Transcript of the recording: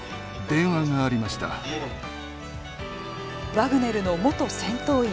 ワグネルの元戦闘員。